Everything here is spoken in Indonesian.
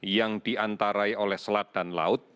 yang diantarai oleh selat dan laut